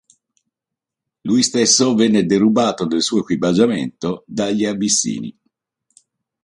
Lui stesso venne derubato del suo equipaggiamento dagli abissini.